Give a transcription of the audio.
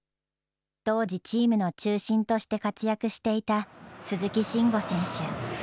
当時、チームの中心として活躍していた鈴木慎吾選手。